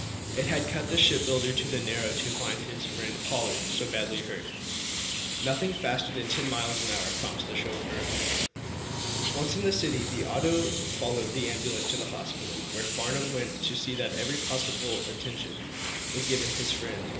It had cut the shipbuilder to the marrow to find his friend, Pollard, so badly hurt. "Nothing faster than ten miles an hour," promised the chauffeur. Once in the city the auto followed the ambulance to the hospital, where Farnum went to see that every possible attention was given his friend.